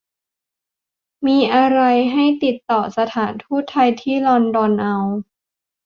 มีอะไรให้ติดต่อสถานทูตไทยที่ลอนดอนเอา